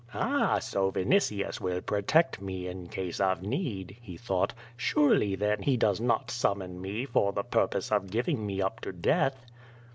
"Ah, so Vinitius will protect me in case of need/' he thought; "surely then he does not summon me for the pur pose of giving me up to death."